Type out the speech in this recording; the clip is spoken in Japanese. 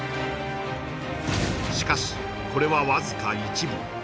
しかしこれはわずか一部